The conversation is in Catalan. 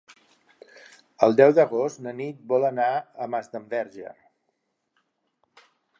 El deu d'agost na Nit vol anar a Masdenverge.